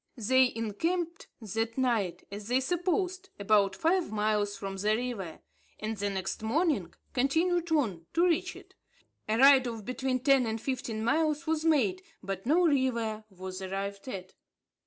They encamped that night, as they supposed, about five miles from the river, and the next morning continued on, to reach it. A ride of between ten and fifteen miles was made, but no river was arrived at.